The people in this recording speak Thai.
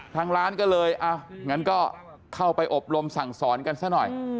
ทางร้านก็เลยอ่ะงั้นก็เข้าไปอบรมสั่งสอนกันซะหน่อย